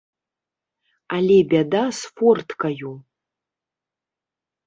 Але бяда з форткаю.